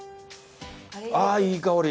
あいい香り！